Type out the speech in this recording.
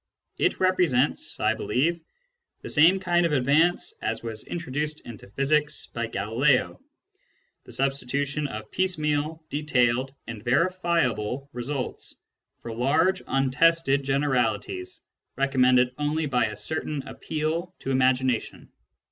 It represents, I believe, the same kind of advance as was introduced into physics by Galileo : the substitution of piecemeal, detailed, and verifiable results for large untested generalities recommended only by a certain appeal to imagination.